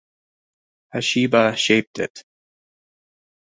Hashiba shaped it.